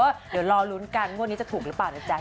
เดี๋ยวรอลุ้นกันงวดนี้จะถูกหรือเปล่านะจ๊ะ